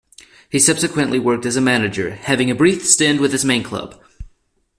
He subsequently worked as a manager, having a brief stint with his main club.